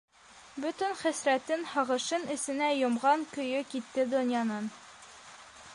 Бөтөн хәсрәтен, һағышын эсенә йомған көйө китте донъянан.